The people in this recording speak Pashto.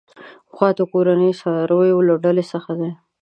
غوا د کورني څارويو له ډلې څخه ده.